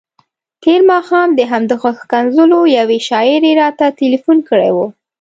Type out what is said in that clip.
تېر ماښام د همدغو ښکنځلو یوې شاعرې راته تلیفون کړی وو.